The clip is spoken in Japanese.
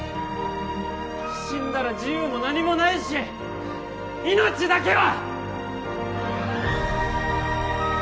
死んだら自由も何もないし命だけは！